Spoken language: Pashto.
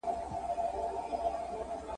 که منلی مي زندان وای !.